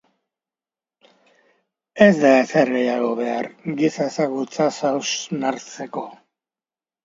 Ez da ezer gehiago behar giza ezagutzaz hausnartzeko.